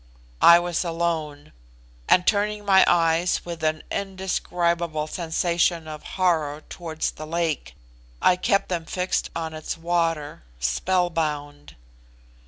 I was alone; and turning my eyes with an indescribable sensation of horror towards the lake, I kept them fixed on its water, spell bound.